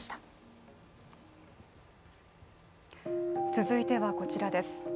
続いてはこちらです。